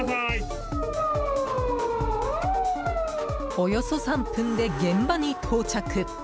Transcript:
およそ３分で現場に到着。